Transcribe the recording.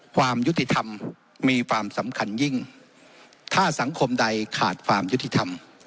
ความยุติธรรมมีความสำคัญยิ่งถ้าสังคมใดขาดความยุติธรรม